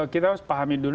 kita harus pahami dua hal